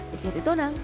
di seri tonang